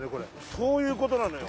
そういうことなのよ！